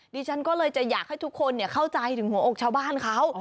ดิฉันก็เลยจะอยากให้ทุกคนเข้าใจถึงหัวอกชาวบ้านเขา